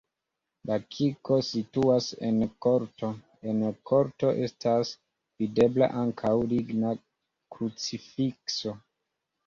La kirko situas en korto, en la korto estas videbla ankaŭ ligna krucifikso.